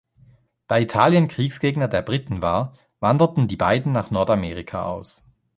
Da Italien Kriegsgegner der Briten war, wanderten die beiden nach Nordamerika aus.